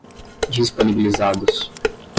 disponibilizados